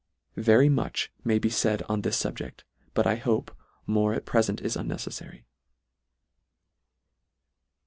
Very much may be laid on this fubjecl, but I hope, more at prefent is unneceflary.